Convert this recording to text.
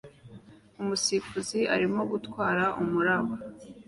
Umusifuzi arimo gutwara umuraba